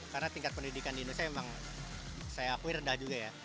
karena tingkat pendidikan di indonesia emang saya akui rendah juga ya